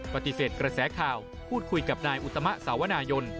ปฏิเสธกระแสข่าวพูดคุยกับนายอุตมะสาวนายน